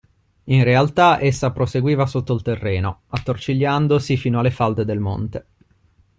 In realtà, essa proseguiva sotto il terreno, attorcigliandosi fino alle falde del monte.